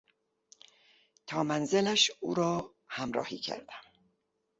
تا منزلش او را همراهی کردم.